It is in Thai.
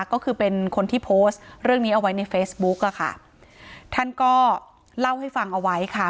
ก็คือเป็นคนที่โพสต์เรื่องนี้เอาไว้ในเฟซบุ๊กอ่ะค่ะท่านก็เล่าให้ฟังเอาไว้ค่ะ